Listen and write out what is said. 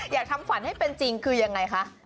อยากทำฝันให้เป็นจริงคือยังไงคะ